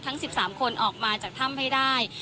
ทั้ง๑๓คนออกมาจากถ้ำให้ได้